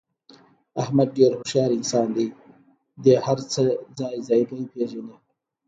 احمد ډېر هوښیار انسان دی. دې هر څه ځای ځایګی پېژني.